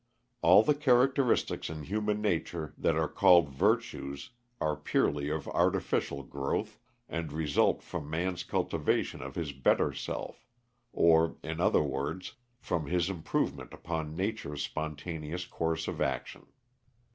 All the characteristics in human nature that are called virtues are purely of artificial growth, and result from man's cultivation of his better self; or, in other words, from his improvement upon nature's spontaneous course of action.